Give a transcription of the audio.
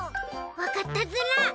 わかったズラ。